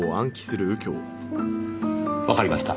わかりました。